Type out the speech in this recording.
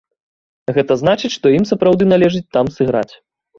Гэта значыць, што ім сапраўды належыць там сыграць.